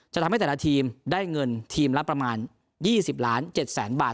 จะทำให้แต่ละทีมได้เงินทีมละประมาณยี่สิบล้านเจ็ดแสนบาท